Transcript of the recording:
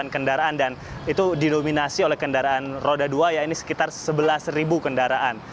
sepuluh tujuh ratus empat puluh delapan kendaraan dan itu dilominasi oleh kendaraan roda dua ya ini sekitar sebelas kendaraan